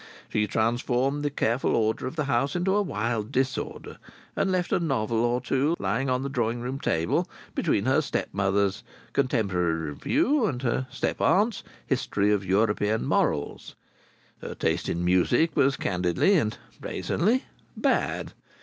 She transformed the careful order of the house into a wild disorder, and left a novel or so lying on the drawing room table between her stepmother's Contemporary Review and her step aunt's History of European Morals. Her taste in music was candidly and brazenly bad.